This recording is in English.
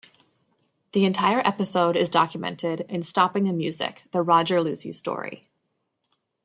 The entire episode is documented in Stopping the Music: The Roger Lucey Story.